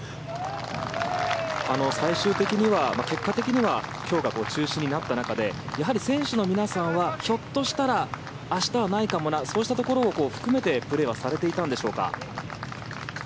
最終的には、結果的には今日が中止になった中でやはり選手の皆さんはひょっとしたら明日はないのかもなそうしたところを含めてプレーはされていたんでしょうか？